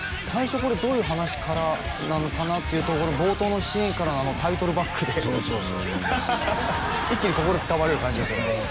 最初これどういう話からなのかなっていうところ冒頭のシーンからのタイトルバックで一気にここで伝わるような感じですよね